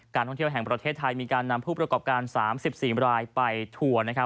ท่องเที่ยวแห่งประเทศไทยมีการนำผู้ประกอบการ๓๔รายไปทัวร์